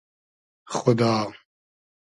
خودا